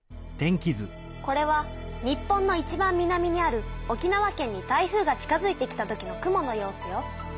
これは日本のいちばん南にある沖縄県に台風が近づいてきた時の雲の様子よ。